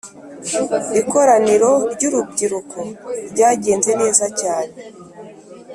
Ikoraniro ry’urubyiruko ryagenze neza cyane